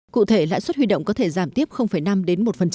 cụ thể lãi suất huy động có thể giảm tiếp năm đến một